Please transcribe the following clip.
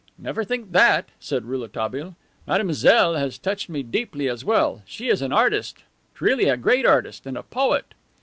"Never think that," said Rouletabille. "Mademoiselle has touched me deeply as well. She is an artist, really a great artist. And a poet."